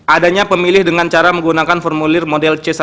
adanya pemilih dengan cara menggunakan formulir model c satu